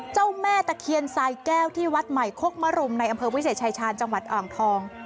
เจ้าแม่ตะเคียนสายแก้วที่วัดใหม่โคกมรุมในอำเภอวิเศษชายชาญจังหวัดอ่างทอง